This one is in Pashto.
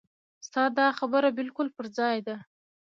ستا دا خبره بالکل پر ځای ده.